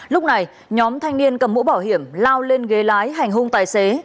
lúc này nhóm thanh niên cầm mũ bảo hiểm lao lên ghế lái hành hung tài xế